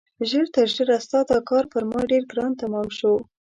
ژر تر ژره ستا دا کار پر ما ډېر ګران تمام شو.